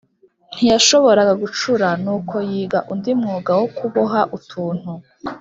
Ntiyashoboraga gucura, nuko yiga undi mwuga wo kuboha utuntu